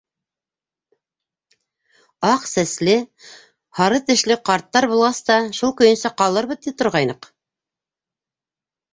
Аҡ сәсле, һары тешле ҡарттар булғас та шул көйөнсә ҡалырбыҙ, ти торғайныҡ.